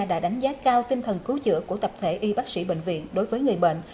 đã đánh giá cao tinh thần cứu chữa của tập thể y bác sĩ bệnh viện đối với người bệnh